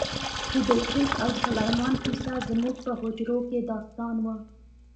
د بلقیس او سلیمان کیسه زموږ په حجرو کې داستان و.